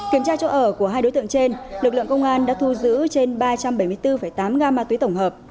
kiểm tra chỗ ở của hai đối tượng trên lực lượng công an đã thu giữ trên ba trăm bảy mươi bốn tám gam ma túy tổng hợp